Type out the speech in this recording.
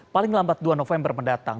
paling lambat dua november mendatang